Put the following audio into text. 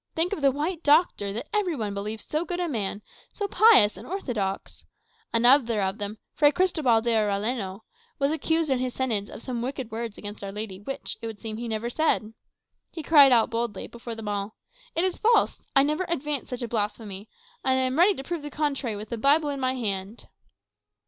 Think of the White Doctor, that every one believed so good a man, so pious and orthodox! Another of them, Fray Cristobal D'Arellano, was accused in his sentence of some wicked words against Our Lady which, it would seem, he never said. He cried out boldly, before them all, 'It is false! I never advanced such a blasphemy; and I am ready to prove the contrary with the Bible in my hand.